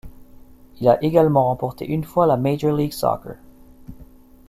Il a également remporté une fois la Major League Soccer.